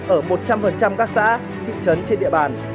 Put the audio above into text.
ở một trăm linh các xã thị trấn trên địa bàn